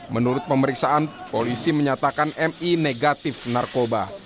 menurut pemeriksaan polisi menyatakan mi negatif narkoba